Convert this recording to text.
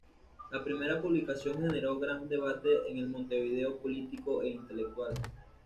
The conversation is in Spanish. La primera publicación generó gran debate en el Montevideo político e intelectual.